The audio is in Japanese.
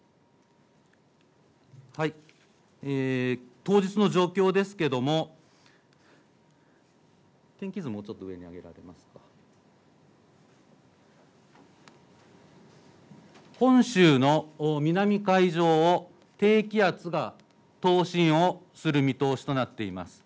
当日の状況ですけれども、本州の南海上を低気圧が東進をする見通しとなっています。